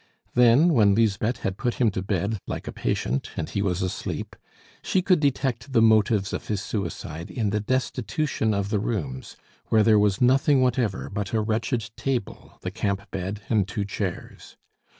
Then, when Lisbeth had put him to bed like a patient, and he was asleep, she could detect the motives of his suicide in the destitution of the rooms, where there was nothing whatever but a wretched table, the camp bed, and two chairs.